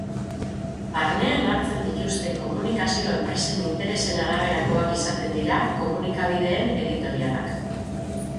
Barnean hartzen dituzten komunikazio-enpresen interesen araberakoak izaten dira komunikabideen editorialak.